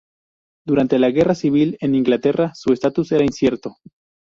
Durante la guerra civil en Inglaterra, su estatus era incierto.